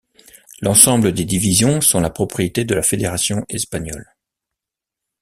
L'ensemble des divisions sont la propriété de la fédération espagnole.